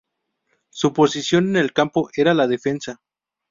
Su posición en el campo era la de defensa.